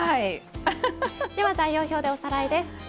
材料表でおさらいです。